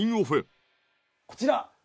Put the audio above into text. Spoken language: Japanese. こちら。